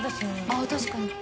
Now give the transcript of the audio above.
あっ確かに。